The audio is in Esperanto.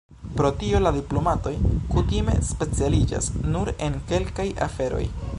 Pro tio, la diplomatoj kutime specialiĝas nur en kelkaj aferoj.